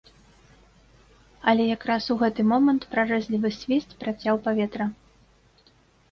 Але якраз у гэты момант прарэзлівы свіст працяў паветра.